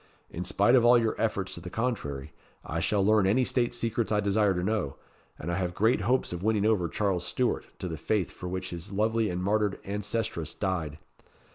In spite of all your efforts to the contrary, I shall learn any state secrets I desire to know, and I have great hopes of winning over Charles Stuart to the faith for which his lovely and martyred ancestress died.